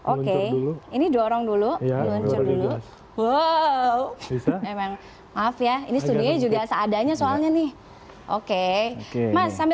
oke ini dorong dulu dulu wow memang maaf ya ini juga seadanya soalnya nih oke oke